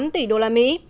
hai mươi tám tỷ đô la mỹ